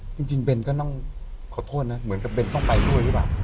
จริงเบนก็ต้องขอโทษนะเหมือนกับเบนต้องไปด้วยหรือเปล่า